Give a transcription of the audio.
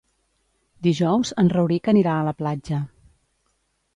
Dijous en Rauric anirà a la platja.